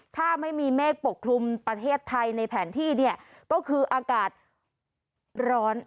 ถ้าไม่มีเมฆปกคลุมประเทศไทยในแผนที่เนี่ยก็คืออากาศร้อน